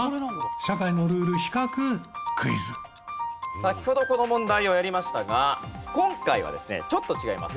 先ほどこの問題をやりましたが今回はですねちょっと違います。